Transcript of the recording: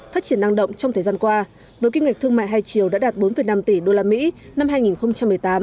phát triển năng động trong thời gian qua với kinh ngạch thương mại hai triệu đã đạt bốn năm tỷ usd năm hai nghìn một mươi tám